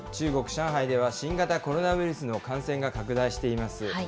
中国・上海では、新型コロナウイルスの感染が拡大しています。